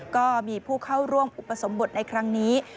ก็มีผู้เข้าร่วมอุปสมบทในครั้งนี้